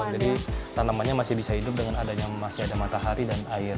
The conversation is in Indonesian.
tanamannya masih bisa hidup dengan adanya masih ada matahari dan air